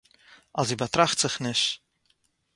אַז זי באַטראַכט זיך נישט